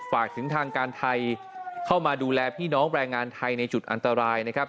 ฝากถึงทางการไทยเข้ามาดูแลพี่น้องแรงงานไทยในจุดอันตรายนะครับ